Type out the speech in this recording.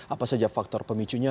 apa saja faktor pemicunya